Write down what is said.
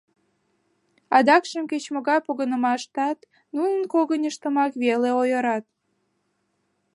Адакшым кеч-могай погынымаштат нуным когыньыштымак веле ойырат.